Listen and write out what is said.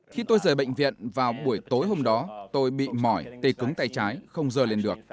khi tôi rời bệnh viện vào buổi tối hôm đó tôi bị mỏi tê cứng tay trái không dơ lên được